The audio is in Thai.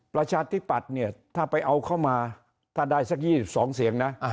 ประชาธิปัตย์เนี่ยถ้าไปเอาเข้ามาถ้าได้สัก๒๒เสียงนะ